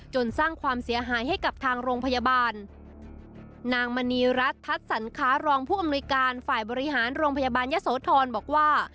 สร้างความเสียหายให้กับทางโรงพยาบาลนางมณีรัฐทัศนค้ารองผู้อำนวยการฝ่ายบริหารโรงพยาบาลยะโสธรบอกว่า